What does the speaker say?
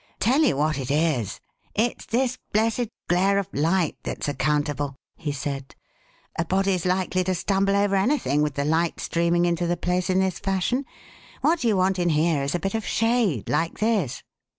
"Tell you what it is: it's this blessed glare of light that's accountable," he said. "A body's likely to stumble over anything with the light streaming into the place in this fashion. What you want in here is a bit of shade like this."